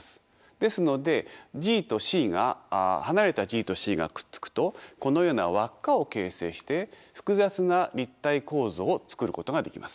ですので離れたＧとＣがくっつくとこのような輪っかを形成して複雑な立体構造を作ることができます。